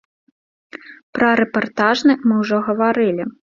Пра рэпартажны мы ўжо гаварылі.